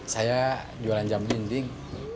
saya jualan jam dinding